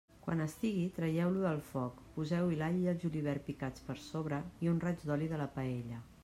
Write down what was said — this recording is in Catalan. Quan estigui, traieu-lo del foc, poseu-hi l'all i el julivert picats per sobre i un raig de l'oli de la paella.